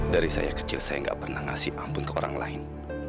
dari saya kecil saya gak pernah ngasih ampun ke orang lain